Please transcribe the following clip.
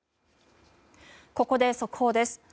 ここで、速報です。